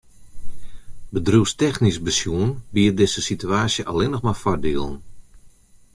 Bedriuwstechnysk besjoen biedt dizze situaasje allinnich mar foardielen.